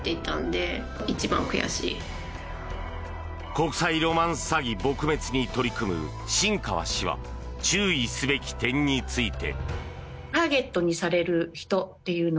国際ロマンス詐欺撲滅に取り組む新川氏は注意すべき点について。